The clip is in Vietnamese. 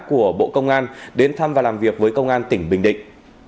của bộ công an đến thăm và làm việc với công an tỉnh bình định